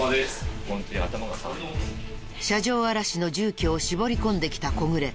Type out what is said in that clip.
車上荒らしの住居を絞り込んできた小暮。